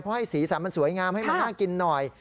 เพราะให้สีสันมันสวยงามให้มันน่ากินหน่อย